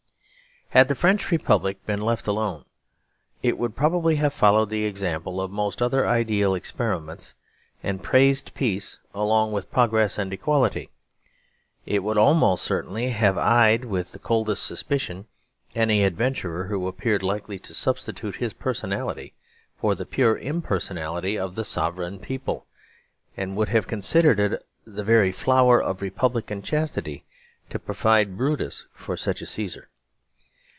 Had the French Republic been left alone, it would probably have followed the example of most other ideal experiments; and praised peace along with progress and equality. It would almost certainly have eyed with the coldest suspicion any adventurer who appeared likely to substitute his personality for the pure impersonality of the Sovereign People; and would have considered it the very flower of republican chastity to provide a Brutus for such a Caesar.